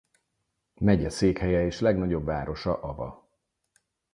Megyeszékhelye és legnagyobb városa Ava.